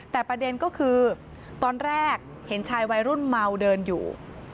แต่ประเด็นก็คือตอนแรกเห็นชายวัยรุ่นเมาเดินอยู่